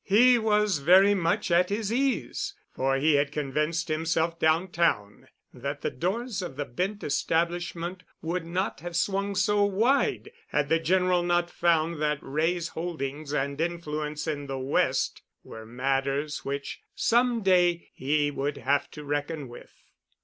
He was very much at his ease, for he had convinced himself downtown that the doors of the Bent establishment would not have swung so wide had the General not found that Wray's holdings and influence in the West were matters which some day he would have to reckon with.